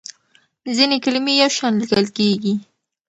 ځینې کلمې یو شان لیکل کېږي.